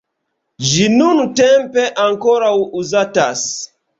Ĝi nuntempe ankoraŭ uzatas.